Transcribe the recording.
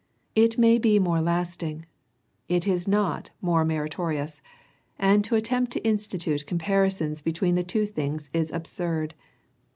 It may be more lasting; it is not more meri torious; and to attempt to institute comparisons be tween the two things is absurd.